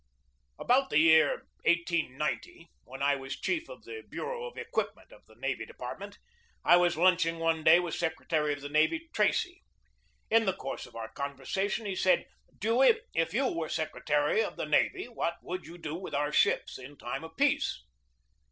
BUILDING THE NEW NAVY 161 About the year 1890, when I was chief of the bureau of equipment of the Navy Department, I was lunching one day with Secretary of the Navy Tracy. In the course of our conversation he said: "Dewey, if you were secretary of the navy, what would you do with our ships in time of peace?"